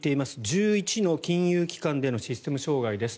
１１の金融機関でのシステム障害です。